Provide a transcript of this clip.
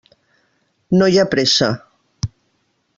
No hi ha pressa.